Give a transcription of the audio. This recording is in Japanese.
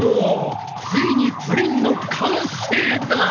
ついにプリンの完成だ！